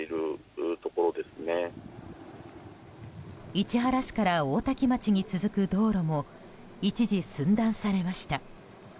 市原市から大多喜町に続く道路も一時寸断されました。